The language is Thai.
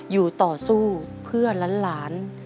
อยู่ต่อสู้เพื่อหลาน